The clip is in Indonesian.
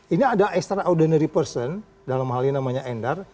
ini ada extraordinary person dalam hal ini namanya endar